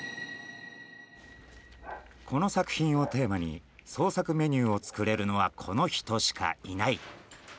この作品をテーマに創作メニューを作れるのはこの人しかいない。